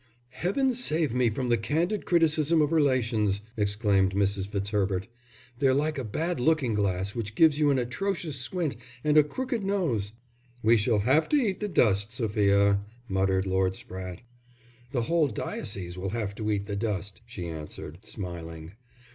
"Heaven save me from the candid criticism of relations," exclaimed Mrs. Fitzherbert. "They're like a bad looking glass which gives you an atrocious squint and a crooked nose." "We shall have to eat the dust, Sophia," muttered Lord Spratte. "The whole diocese will have to eat the dust," she answered, smiling.